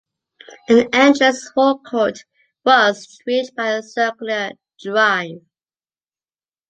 An entrance forecourt was reached by a circular drive.